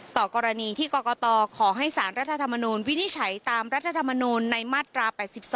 ต่อกรณีที่กรกตขอให้สารรัฐธรรมนูลวินิจฉัยตามรัฐธรรมนูลในมาตรา๘๒